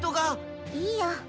いいよ。